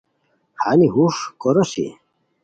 ہانی ہُݰ کوروسی